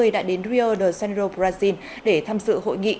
đã đến rio de sandro brazil để tham dự hội nghị